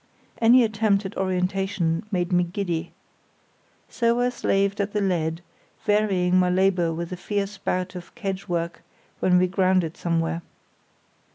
Any attempt at orientation made me giddy. So I slaved at the lead, varying my labour with a fierce bout of kedge work when we grounded somewhere.